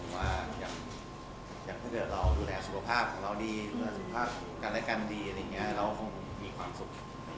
อย่างถ้าเกิดเราดูแลสุขภาพของเราดีสุขภาพกันและกันดีเราคงมีความสุข